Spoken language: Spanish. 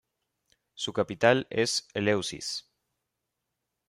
Su capital es Eleusis.